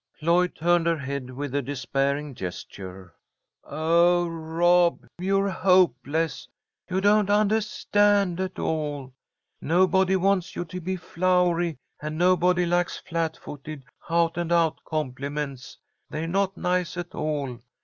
Lloyd turned her head with a despairing gesture. "Oh, Rob, you're hopeless! You don't undahstand at all! Nobody wants you to be flowery, and nobody likes flat footed, out and out compliments. They're not nice at all.